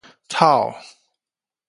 敨